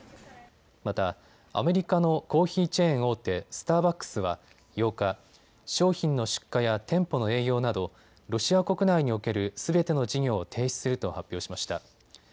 またアメリカのコーヒーチェーン大手、スターバックスは８日、商品の出荷や店舗の営業などロシア国内におけるすべての事業を停止すると発表しました。